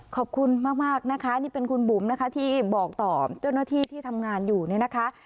ขอบคุณมากนะคะนี่เป็นคุณบุ๋มนะคะที่บอกต่อเจ้าหน้าที่ที่ทำงานอยู่เนี่ยนะคะ